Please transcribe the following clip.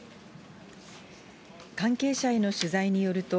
関係者への取材によると、